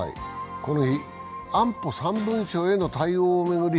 この日、安保３文書への対応を巡り